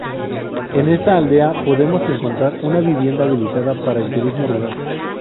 En esta aldea podemos encontrar una vivienda habilitada para el turismo rural.